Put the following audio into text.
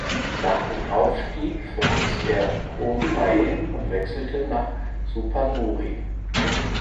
Nach dem Aufstieg verließ er Khon Kaen und wechselte nach Suphanburi.